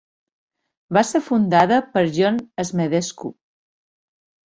Va ser fundada per Ion Smedescu.